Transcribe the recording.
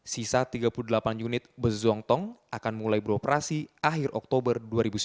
sisa tiga puluh delapan unit bus zongtong akan mulai beroperasi akhir oktober dua ribu sembilan belas